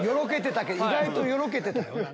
意外とよろけてたよ。